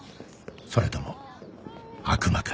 それとも悪魔か？